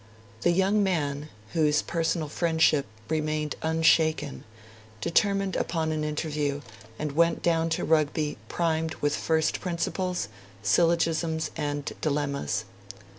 The young man, whose personal friendship remained unshaken, determined upon an interview, and went down to Rugby primed with first principles, syllogisms, and dilemmas.